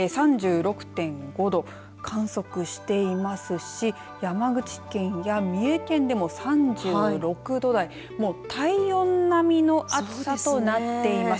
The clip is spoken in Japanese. ３６．５度、観測していますし山口県や三重県でも３６度台体温並みの暑さとなっています。